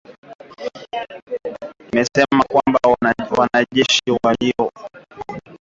Imesema kwamba wanajeshi wawili wa Rwanda wamekamatwa na jeshi la Jamhuri ya kidemokrasia ya Kongo katika makabiliano.